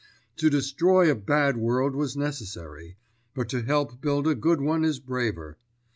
To destroy a bad world was necessary; but to help build a good one is braver.